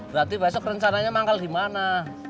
berarti besok rencananya manggal di mana